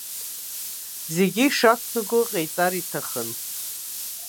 Зегьы ишақәнаго иҟаиҵар иҭахын.